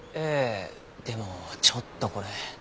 でもちょっとこれ。